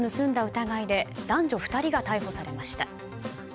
疑いで男女２人が逮捕されました。